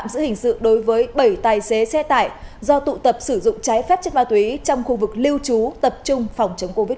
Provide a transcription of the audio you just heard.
giữ hình sự đối với bảy tài xế xe tải do tụ tập sử dụng trái phép chất ma túy trong khu vực lưu trú tập trung phòng chống covid một mươi